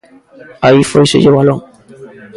Aí fóiselle o balón.